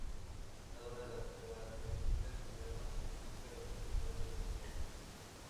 Cada una de sus características y armas significa el bienestar de ese año.